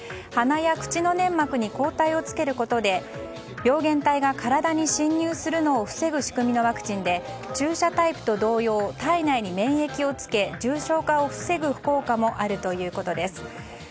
鼻や口の粘膜に抗体をつけることで病原体が体に侵入するのを防ぐ仕組みのワクチンで注射タイプと同様体内に免疫をつけ重症化を防ぐ効果もあるということです。